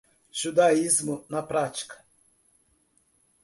Judaísmo na prática